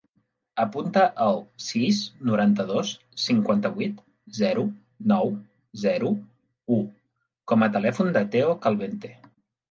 Apunta el sis, noranta-dos, cinquanta-vuit, zero, nou, zero, u com a telèfon del Theo Calvente.